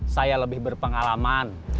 saya lebih berpengalaman